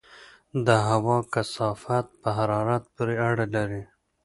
د هوا کثافت په حرارت پورې اړه لري.